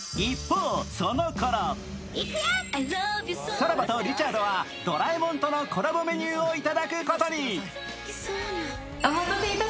さらばとリチャードはドラえもんとのコラボメニューをいただくことに。